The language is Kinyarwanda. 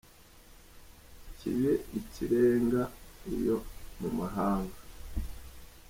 Kibe ikirenga iyo mu mahanga